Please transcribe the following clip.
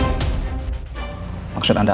dugaan perbuatan elsa di masa lalu